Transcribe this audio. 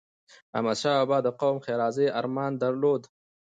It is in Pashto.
احمدشاه بابا د قوم د ښېرازی ارمان درلود.